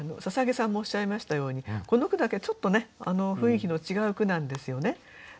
捧さんもおっしゃいましたようにこの句だけちょっとね雰囲気の違う句なんですよね。